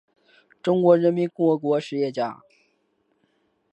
中华人民共和国实业家。